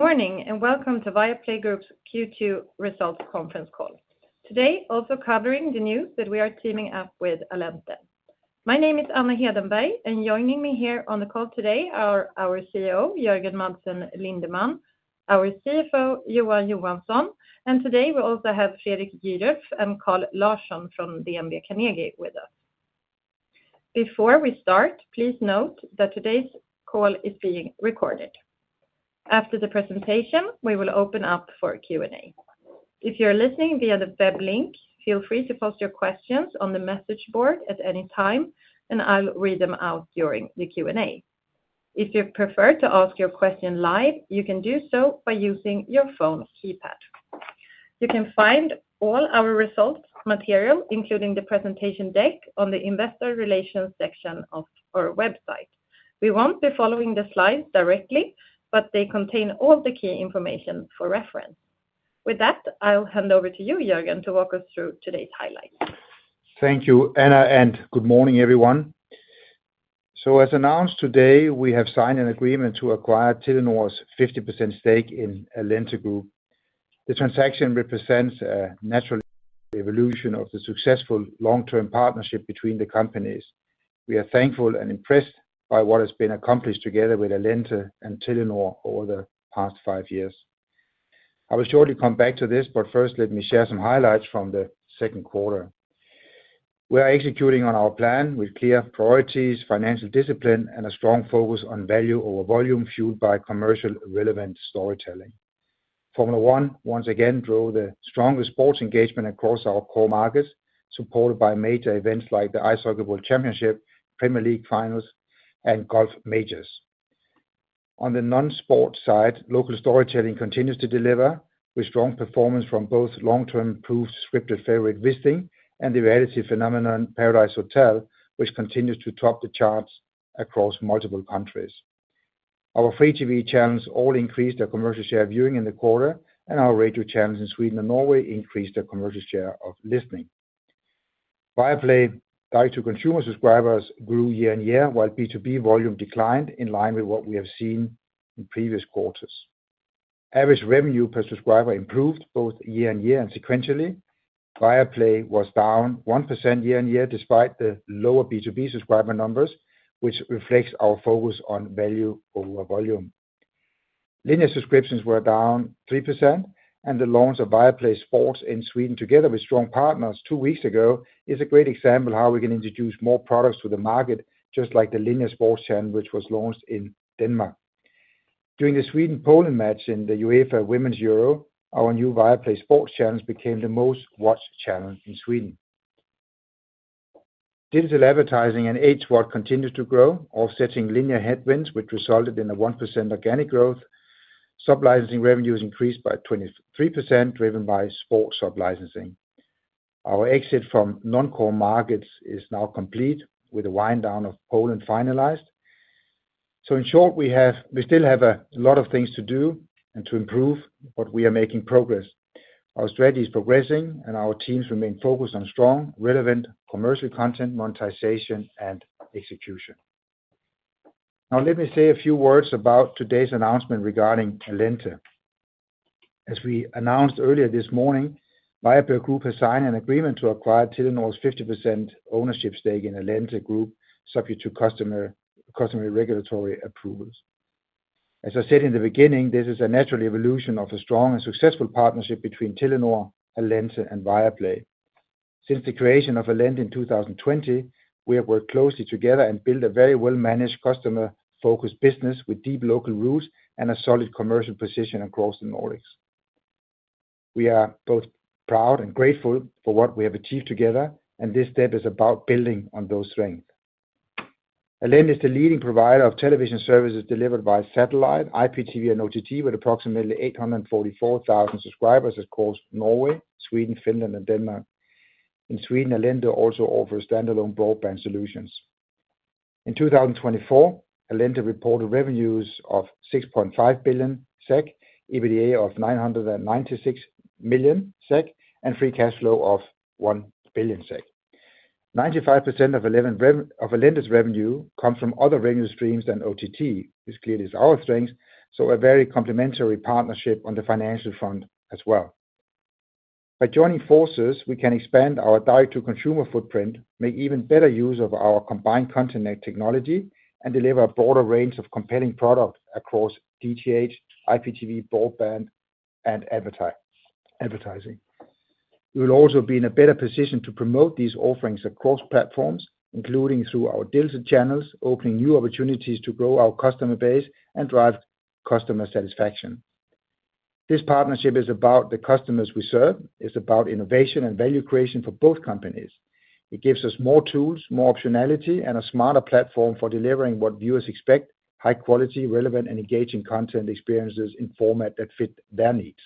Morning and welcome to Viaplay Group's Q2 results conference call. Today, also covering the news that we are teaming up with Allente. My name is Anna Hedenberg, and joining me here on the call today are our CEO, Jørgen Madsen Lindemann, our CFO, Johan Johansson, and today we also have Fredrik Gidrf and Carl Larsson from DNB Carnegie with us. Before we start, please note that today's call is being recorded. After the presentation, we will open up for Q&A. If you're listening via the web link, feel free to post your questions on the message board at any time, and I'll read them out during the Q&A. If you prefer to ask your question live, you can do so by using your phone's keypad. You can find all our results material, including the presentation deck, on the Investor Relations section of our website. We won't be following the slides directly, but they contain all the key information for reference. With that, I'll hand over to you, Jørgen, to walk us through today's highlights. Thank you, Anna, and good morning, everyone. As announced today, we have signed an agreement to acquire Telenor's 50% stake in Allente Group. The transaction represents a natural evolution of the successful long-term partnership between the companies. We are thankful and impressed by what has been accomplished together with Allente and Telenor over the past five years. I will shortly come back to this, but first, let me share some highlights from the second quarter. We are executing on our plan with clear priorities, financial discipline, and a strong focus on value over volume, fueled by commercially relevant storytelling. Formula One, once again, drove the strongest sports engagement across our core markets, supported by major events like the Ice Soccer World Championship, Premier League Finals, and Golf Majors. On the non-sports side, local storytelling continues to deliver with strong performance from both long-term proven scripted favorite Wisting and the reality phenomenon Paradise Hotel, which continues to top the charts across multiple countries. Our free TV channels all increased our commercial share of viewing in the quarter, and our radio channels in Sweden and Norway increased our commercial share of listening. Viaplay's direct-to-consumer subscribers grew year-on-year, while B2B volume declined in line with what we have seen in previous quarters. Average revenue per subscriber improved both year-on-year and sequentially. Viaplay was down 1% year-on-year despite the lower B2B subscriber numbers, which reflects our focus on value over volume. Linear subscriptions were down 3%, and the launch of Viaplay Sports in Sweden, together with strong partners two weeks ago, is a great example of how we can introduce more products to the market, just like the linear sports channel which was launched in Denmark. During the Sweden-Poland match in the UEFA Women's Euro, our new Viaplay Sports channels became the most watched channel in Sweden. Digital advertising and ads continued to grow, offsetting linear headwinds which resulted in a 1% organic growth. Sub-licensing revenues increased by 23%, driven by sports sub-licensing. Our exit from non-core markets is now complete, with a wind-down of Poland finalized. In short, we still have a lot of things to do and to improve, but we are making progress. Our strategy is progressing, and our teams remain focused on strong, relevant commercial content, monetization, and execution. Now, let me say a few words about today's announcement regarding Allente. As we announced earlier this morning, Viaplay Group has signed an agreement to acquire Telenor's 50% ownership stake in Allente Group, subject to customary regulatory approvals. As I said in the beginning, this is a natural evolution of a strong and successful partnership between Telenor, Allente, and Viaplay. Since the creation of Allente in 2020, we have worked closely together and built a very well-managed, customer-focused business with deep local roots and a solid commercial position across the Nordics. We are both proud and grateful for what we have achieved together, and this step is about building on those strengths. Allente is the leading provider of television services delivered via satellite, IPTV, and OTT with approximately 844,000 subscribers across Norway, Sweden, Finland, and Denmark. In Sweden, Allente also offers standalone broadband solutions. In 2024, Allente reported revenues of 6.5 billion SEK, EBITDA of 996 million SEK, and free cash flow of 1 billion SEK. 95% of Allente's revenue comes from other revenue streams than OTT, which clearly is our strength, so a very complementary partnership on the financial front as well. By joining forces, we can expand our direct-to-consumer footprint, make even better use of our combined content technology, and deliver a broader range of compelling products across DTH, IPTV, broadband, and advertising. We will also be in a better position to promote these offerings across platforms, including through our deals and channels, opening new opportunities to grow our customer base and drive customer satisfaction. This partnership is about the customers we serve, it's about innovation and value creation for both companies. It gives us more tools, more optionality, and a smarter platform for delivering what viewers expect: high quality, relevant, and engaging content experiences in formats that fit their needs.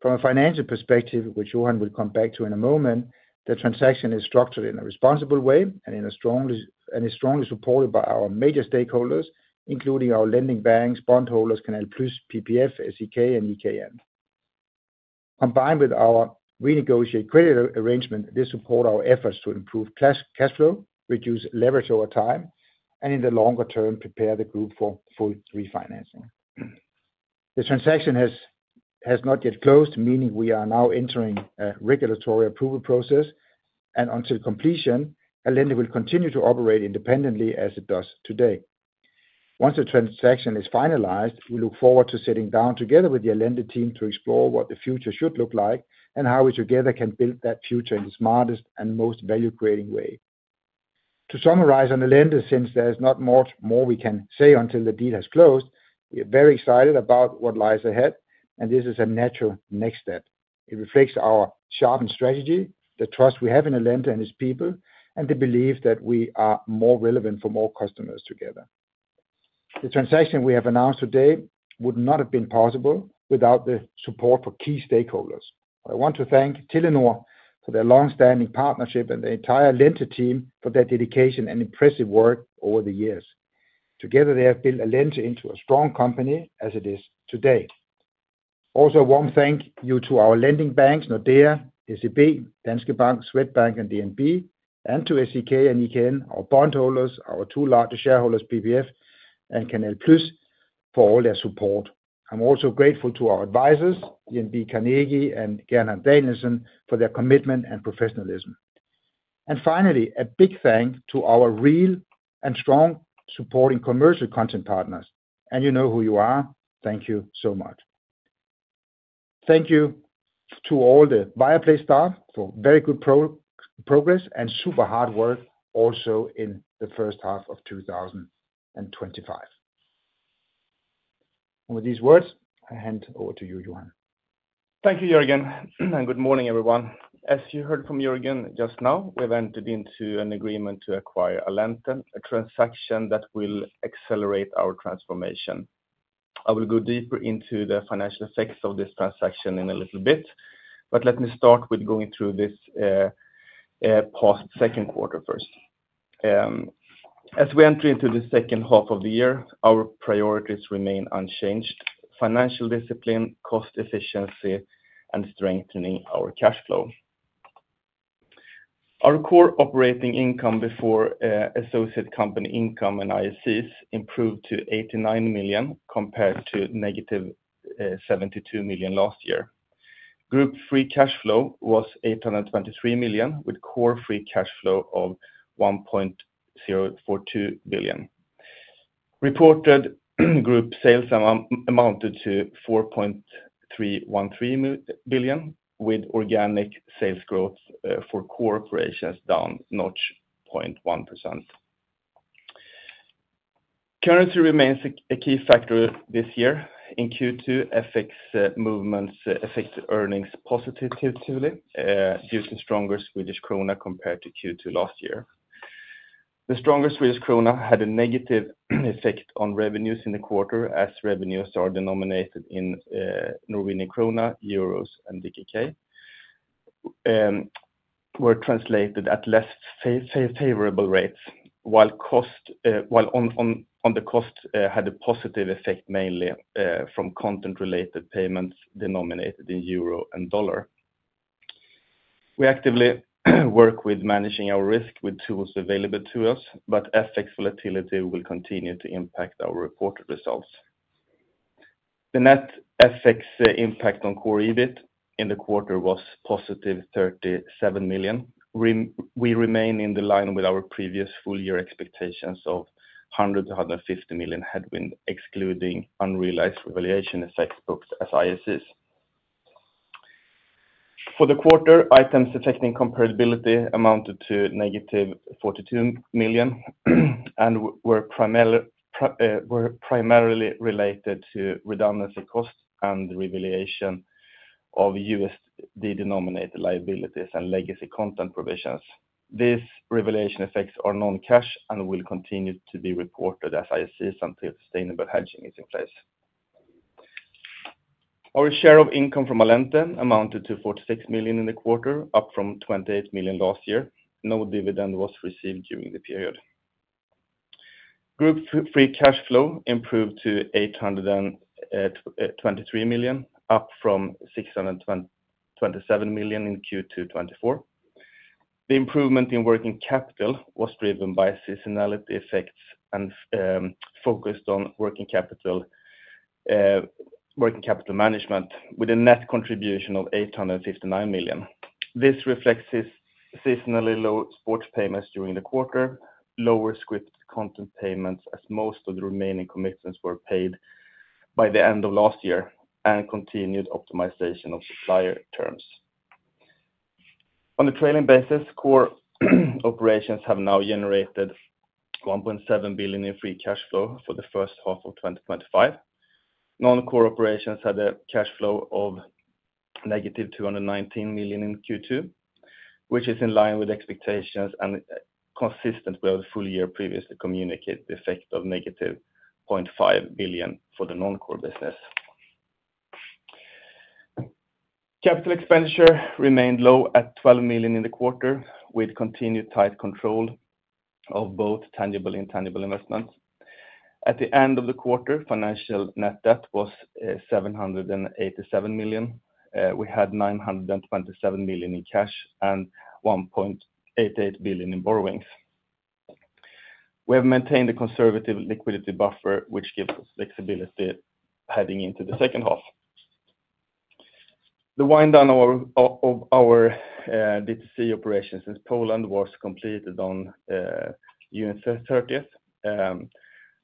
From a financial perspective, which Johan will come back to in a moment, the transaction is structured in a responsible way and is strongly supported by our major stakeholders, including our lending banks, bondholders, Canal+, PPF, SEK, and EKN. Combined with our renegotiated credit arrangement, this supports our efforts to improve cash flow, reduce leverage over time, and in the longer term, prepare the group for full refinancing. The transaction has not yet closed, meaning we are now entering a regulatory approval process, and until completion, Allente will continue to operate independently as it does today. Once the transaction is finalized, we look forward to sitting down together with the Allente team to explore what the future should look like and how we together can build that future in the smartest and most value-creating way. To summarize on Allente, since there's not much more we can say until the deal has closed, we are very excited about what lies ahead, and this is a natural next step. It reflects our sharpened strategy, the trust we have in Allente and its people, and the belief that we are more relevant for more customers together. The transaction we have announced today would not have been possible without the support of key stakeholders. I want to thank Telenor for their long-standing partnership and the entire Allente team for their dedication and impressive work over the years. Together, they have built Allente into a strong company as it is today. Also, a warm thank you to our lending banks: Nordea, SEB, Danske Bank, Swedbank, and DNB, and to SEK and EKN, our bondholders, our two largest shareholders, PPF and Canal+, for all their support. I'm also grateful to our advisors, DNB Carnegie and Gerhard Danielsen, for their commitment and professionalism. Finally, a big thank you to our real and strong supporting commercial content partners. You know who you are. Thank you so much. Thank you to all the Viaplay staff for very good progress and super hard work also in the first half of 2025. With these words, I hand over to you, Johan. Thank you, Jørgen, and good morning, everyone. As you heard from Jørgen just now, we've entered into an agreement to acquire Allente, a transaction that will accelerate our transformation. I will go deeper into the financial effects of this transaction in a little bit, but let me start with going through this past second quarter first. As we enter into the second half of the year, our priorities remain unchanged: financial discipline, cost efficiency, and strengthening our cash flow. Our core operating income before associate company income and ISCs improved to 89 million compared to -72 million last year. Group free cash flow was 823 million, with core free cash flow of 1.042 billion. Reported group sales amounted to 4.313 billion, with organic sales growth for core operations down 0.1%. Currency remains a key factor this year. In Q2, FX movements affected earnings positively due to stronger Swedish krona compared to Q2 last year. The stronger Swedish krona had a negative effect on revenues in the quarter as revenues are denominated in Norwegian krona, euros, and DKK, were translated at less favorable rates, while on the cost had a positive effect mainly from content-related payments denominated in euro and dollar. We actively work with managing our risk with tools available to us, but FX volatility will continue to impact our reported results. The net FX impact on core EBIT in the quarter was +37 million. We remain in line with our previous full-year expectations of 100 million-150 million headwind, excluding unrealized revaluation effects booked as ISCs. For the quarter, items affecting comparability amounted to -42 million and were primarily related to redundancy costs and the revaluation of U.S. dollar-denominated liabilities and legacy content provisions. These revaluation effects are non-cash and will continue to be reported as ISCs until sustainable hedging is in place. Our share of income from Allente amounted to 46 million in the quarter, up from 28 million last year. No dividend was received during the period. Group free cash flow improved to 823 million, up from 627 million in Q2 2023. The improvement in working capital was driven by seasonality effects and focused on working capital management with a net contribution of 859 million. This reflects seasonally low sports payments during the quarter, lower scripted content payments as most of the remaining commissions were paid by the end of last year, and continued optimization of supplier terms. On a trailing basis, core operations have now generated 1.7 billion in free cash flow for the first half of 2025. Non-core operations had a cash flow of negative 219 million in Q2, which is in line with expectations and consistent with the full year previously communicated effect of negative 500 million for the non-core business. Capital expenditure remained low at 12 million in the quarter with continued tight control of both tangible and intangible investments. At the end of the quarter, financial net debt was 787 million. We had 927 million in cash and 1.88 billion in borrowings. We have maintained a conservative liquidity buffer, which gives us flexibility heading into the second half. The wind-down of our direct-to-consumer footprint in Poland was completed on June 30th.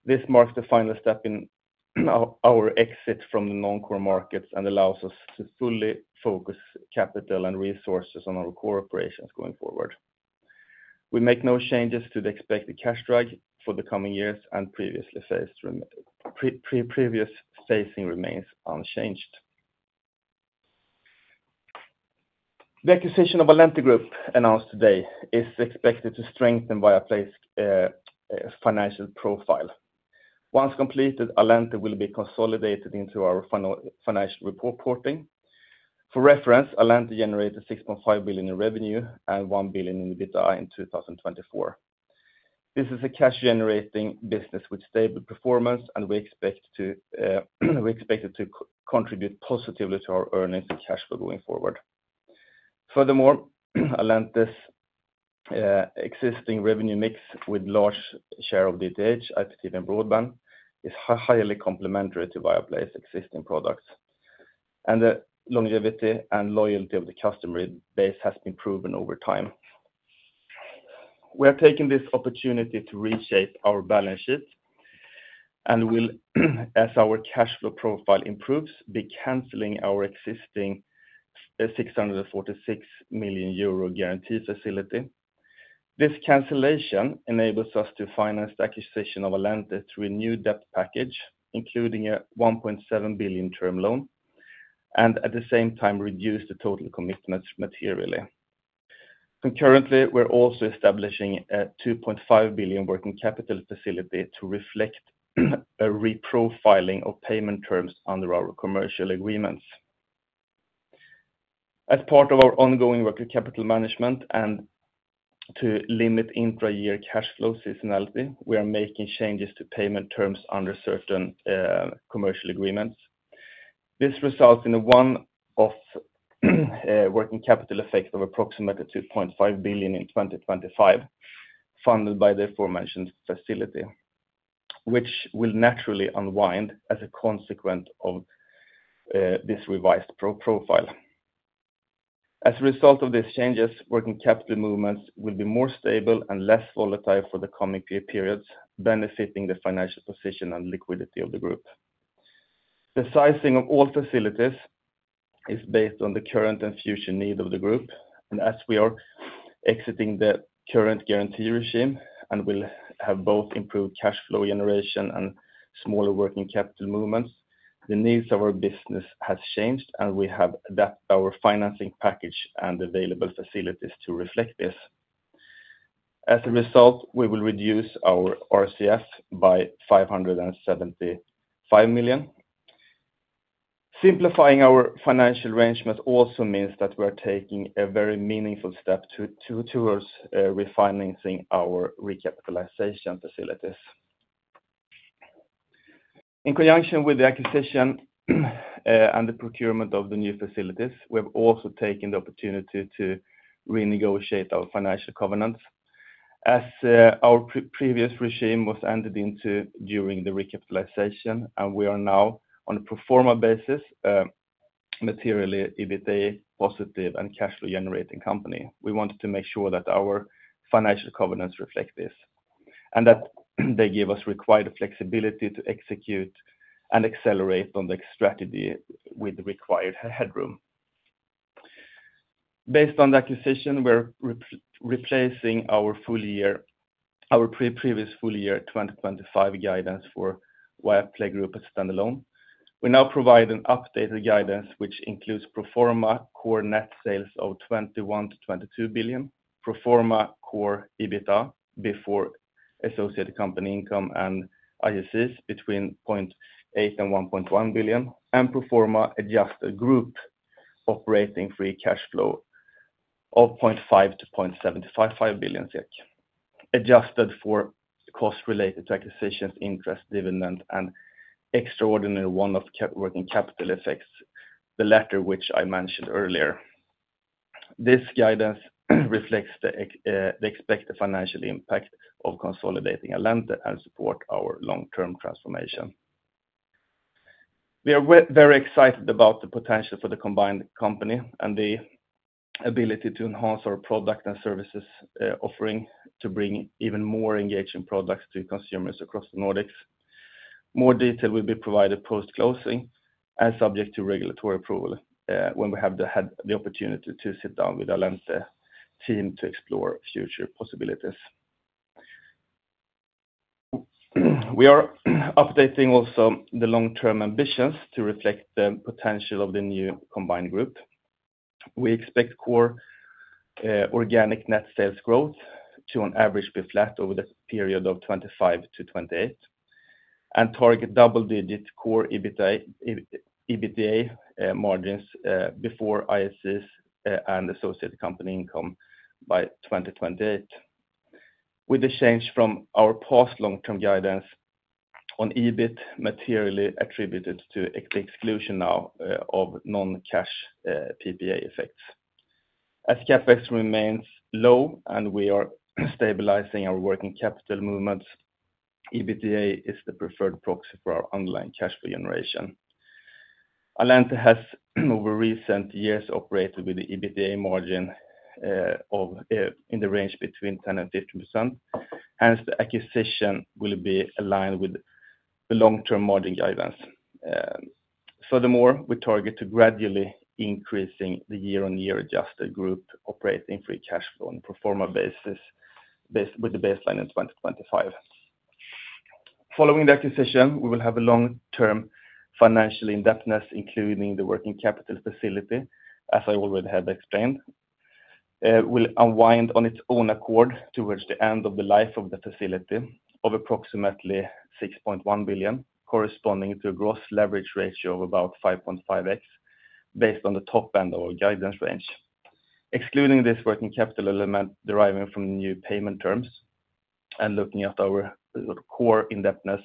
This marks the final step in our exit from the non-core markets and allows us to fully focus capital and resources on our core operations going forward. We make no changes to the expected cash drag for the coming years, and previous phasing remains unchanged. The acquisition of Allente Group announced today is expected to strengthen Viaplay's financial profile. Once completed, Allente will be consolidated into our financial reporting. For reference, Allente generated 6.5 billion in revenue and 1 billion in EBITDA in 2024. This is a cash-generating business with stable performance, and we expect it to contribute positively to our earnings and cash flow going forward. Furthermore, Allente's existing revenue mix with a large share of DTH, IPTV, and broadband is highly complementary to Viaplay's existing products, and the longevity and loyalty of the customer base has been proven over time. We are taking this opportunity to reshape our balance sheet, and as our cash flow profile improves, we're canceling our existing 646 million euro guarantee facility. This cancellation enables us to finance the acquisition of Allente through a new debt package, including a 1.7 billion term loan, and at the same time, reduce the total commitment materially. Concurrently, we're also establishing a 2.5 billion working capital facility to reflect a reprofiling of payment terms under our commercial agreements. As part of our ongoing working capital management and to limit intra-year cash flow seasonality, we are making changes to payment terms under certain commercial agreements. This results in a one-off working capital effect of approximately 2.5 billion in 2025, funded by the aforementioned facility, which will naturally unwind as a consequence of this revised profile. As a result of these changes, working capital movements will be more stable and less volatile for the coming periods, benefiting the financial position and liquidity of the group. The sizing of all facilities is based on the current and future needs of the group, and as we are exiting the current guarantee regime and will have both improved cash flow generation and smaller working capital movements, the needs of our business have changed, and we have adapted our financing package and available facilities to reflect this. As a result, we will reduce our RCF by 575 million. Simplifying our financial arrangements also means that we're taking a very meaningful step towards refinancing our recapitalization facilities. In conjunction with the acquisition and the procurement of the new facilities, we have also taken the opportunity to renegotiate our financial covenants. As our previous regime was entered into during the recapitalization, and we are now on a pro forma basis, materially EBITDA positive and cash flow generating company, we wanted to make sure that our financial covenants reflect this and that they give us required flexibility to execute and accelerate on the strategy with the required headroom. Based on the acquisition, we're replacing our previous full year 2025 guidance for Viaplay Group as standalone. We now provide an updated guidance which includes pro forma core net sales of 21 million-22 billion, pro forma core EBITDA before associated company income and ISCs between 0.8 and 1.1 billion, and pro forma adjusted group operating free cash flow of 500,000 million-755,000 million SEK, adjusted for cost-related acquisitions, interest, dividend, and extraordinary one-off working capital effects, the latter which I mentioned earlier. This guidance reflects the expected financial impact of consolidating Allente and supports our long-term transformation. We are very excited about the potential for the combined company and the ability to enhance our product and services offering to bring even more engaging products to consumers across the Nordics. More detail will be provided post-closing and subject to regulatory approval when we have the opportunity to sit down with the Allente team to explore future possibilities. We are updating also the long-term ambitions to reflect the potential of the new combined group. We expect core organic net sales growth to on average be flat over the period of 2025 to 2028 and target double-digit core EBITDA margins before ISCs and associated company income by 2028, with a change from our past long-term guidance on EBIT materially attributed to the exclusion now of non-cash PPA effects. As CapEx remains low and we are stabilizing our working capital movements, EBITDA is the preferred proxy for our underlying cash flow generation. Allente has over recent years operated with an EBITDA margin in the range between 10% and 15%. Hence, the acquisition will be aligned with the long-term margin guidance. Furthermore, we target to gradually increase the year-on-year adjusted group operating free cash flow on a pro forma basis with the baseline in 2025. Following the acquisition, we will have a long-term financial indebtedness, including the working capital facility, as I already have explained, will unwind on its own accord towards the end of the life of the facility of approximately 6.1 billion, corresponding to a gross leverage ratio of about 5.5x based on the top end of our guidance range. Excluding this working capital element deriving from the new payment terms and looking at our core indebtedness,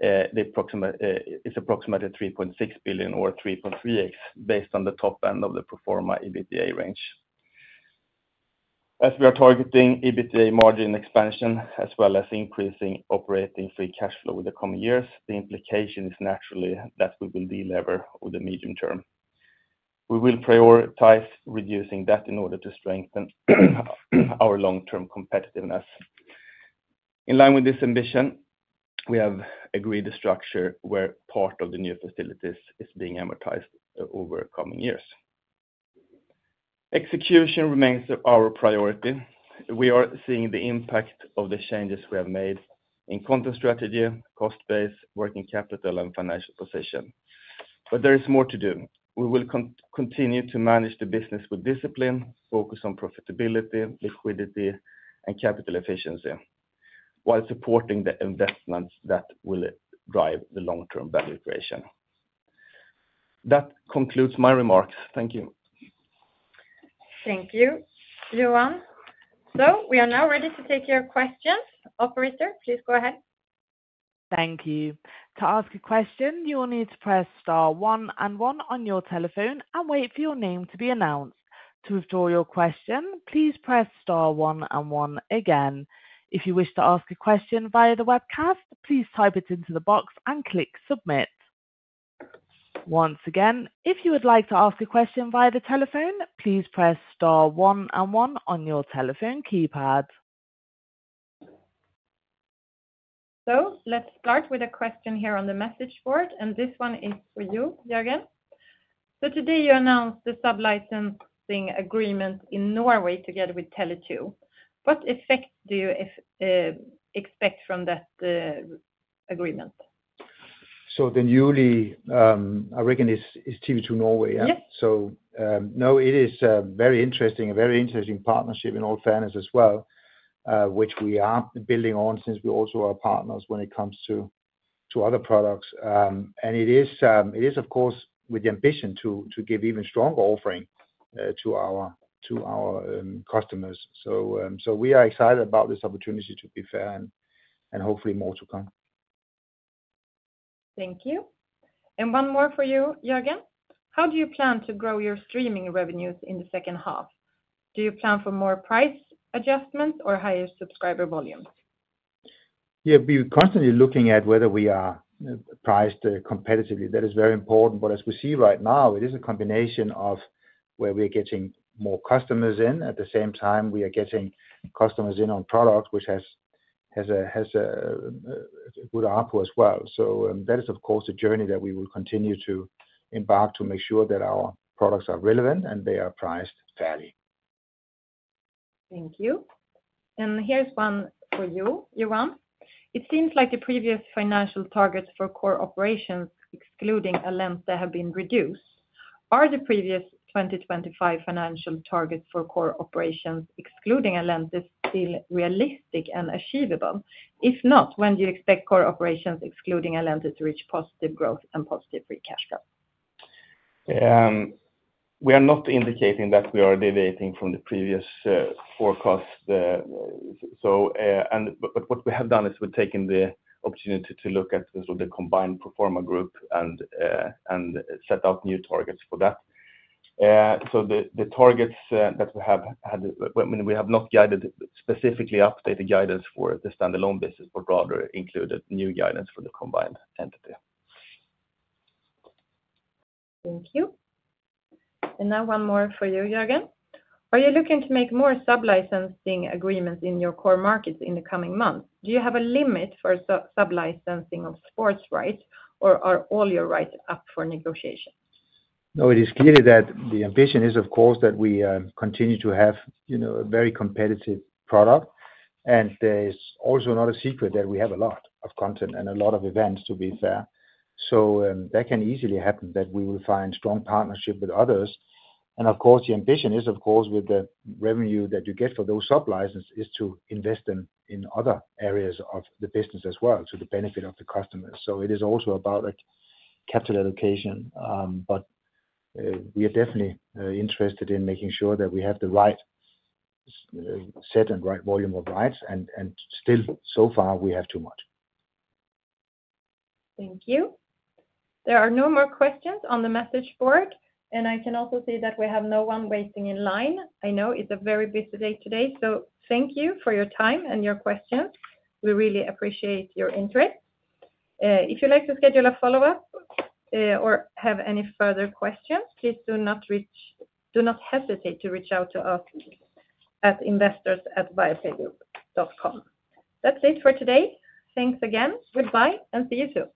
it's approximately 3.6 billion or 3.3x based on the top end of the pro forma EBITDA range. As we are targeting EBITDA margin expansion as well as increasing operating free cash flow in the coming years, the implication is naturally that we will deleverage over the medium term. We will prioritize reducing debt in order to strengthen our long-term competitiveness. In line with this ambition, we have agreed to a structure where part of the new facilities is being amortized over the coming years. Execution remains our priority. We are seeing the impact of the changes we have made in content strategy, cost base, working capital, and financial position. There is more to do. We will continue to manage the business with discipline, focus on profitability, liquidity, and capital efficiency while supporting the investments that will drive the long-term value creation. That concludes my remarks. Thank you. Thank you, Johan. We are now ready to take your questions. Operator, please go ahead. Thank you. To ask a question, you will need to press star one and one on your telephone and wait for your name to be announced. To withdraw your question, please press star one and one again. If you wish to ask a question via the webcast, please type it into the box and click submit. Once again, if you would like to ask a question via the telephone, please press star one and one on your telephone keypad. Let's start with a question here on the message board, and this one is for you, Jørgen. Today you announced the sub-licensing agreement in Norway together with Tele2. What effect do you expect from that agreement? The newly, I reckon, is TV2 Norway, yeah? Yeah. It is a very interesting partnership in all fairness as well, which we are building on since we also are partners when it comes to other products. It is, of course, with the ambition to give even stronger offerings to our customers. We are excited about this opportunity to be fair and hopefully more to come. Thank you. One more for you, Jørgen. How do you plan to grow your streaming revenues in the second half? Do you plan for more price adjustments or higher subscriber volumes? Yeah, we are constantly looking at whether we are priced competitively. That is very important. As we see right now, it is a combination of where we are getting more customers in. At the same time, we are getting customers in on product, which has a good output as well. That is, of course, a journey that we will continue to embark to make sure that our products are relevant and they are priced fairly. Thank you. Here's one for you, Johan. It seems like the previous financial targets for core operations, excluding Allente, have been reduced. Are the previous 2025 financial targets for core operations, excluding Allente, still realistic and achievable? If not, when do you expect core operations, excluding Allente, to reach positive growth and positive free cash flow? We are not indicating that we are deviating from the previous forecast. What we have done is we've taken the opportunity to look at the combined pro forma group and set out new targets for that. The targets that we have had, I mean, we have not guided specifically updated guidance for the standalone business, but rather included new guidance for the combined entity. Thank you. One more for you, Jørgen. Are you looking to make more sub-licensing agreements in your core markets in the coming months? Do you have a limit for sub-licensing of sports rights, or are all your rights up for negotiation? No, it is clear that the ambition is, of course, that we continue to have a very competitive product. It's also not a secret that we have a lot of content and a lot of events, to be fair. That can easily happen that we will find strong partnership with others. Of course, the ambition is, of course, with the revenue that you get for those sub-licenses, to invest in other areas of the business as well to the benefit of the customers. It is also about capital allocation. We are definitely interested in making sure that we have the right set and right volume of rights. Still, so far, we have too much. Thank you. There are no more questions on the message board. I can also say that we have no one waiting in line. I know it's a very busy day today. Thank you for your time and your questions. We really appreciate your interest. If you'd like to schedule a follow-up or have any further questions, please do not hesitate to reach out to us at investors@viaplaygroup.com. That's it for today. Thanks again. Goodbye and see you soon.